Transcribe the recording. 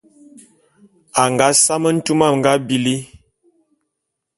A nga same ntume a nga bili.